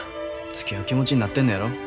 つきあう気持ちになってるのやろ。